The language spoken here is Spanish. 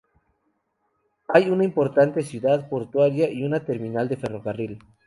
Hay una importante ciudad portuaria y una terminal de ferrocarril.